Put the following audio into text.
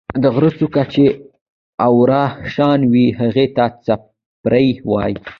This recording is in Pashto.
د غرۀ څُوكه چې اواره شان وي هغې ته څپرے وائي۔